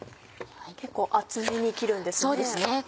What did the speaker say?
結構厚めに切るんですね。